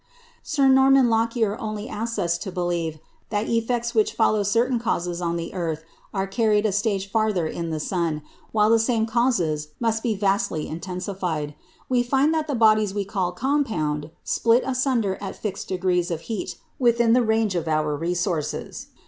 Sir Norman Lockyer only asks us to believe that effects which follow certain causes on the earth are carried a stage further in the sun, where the same causes must be vastly intensified. We find that the bodies we call "compound" split asunder at fixed degrees of heat within the range of our resources.